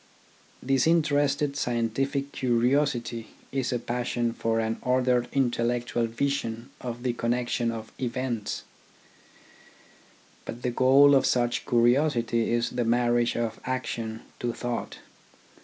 Disinterested scientific curiosity is a passion for an ordered intellectual vision of the connec tion of events. But the goal of such curiosity is the marriage of action to thought.